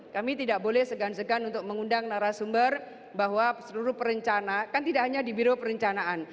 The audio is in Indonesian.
kami tidak boleh segan segan untuk mengundang narasumber bahwa seluruh perencana kan tidak hanya di biro perencanaan